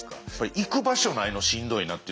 行く場所ないのしんどいなって。